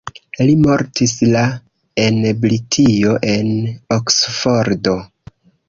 Li mortis la en Britio en Oksfordo.